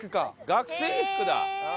学生服だ。